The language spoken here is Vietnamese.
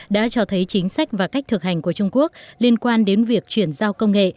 đã cho thấy chính sách và cách thực hành của trung quốc liên quan đến việc chuyển giao công nghệ